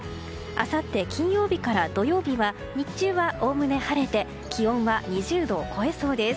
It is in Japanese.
あさって金曜日から土曜日は日中はおおむね晴れて気温は２０度を超えそうです。